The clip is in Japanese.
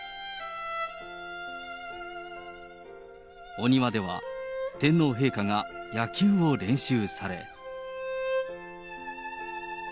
お庭では、天皇陛下が野球を練習され。